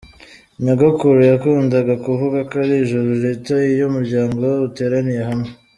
Nyogokuru yakundaga kuvuga ko ari ijuru rito iyo umuryango uteraniye hamwe.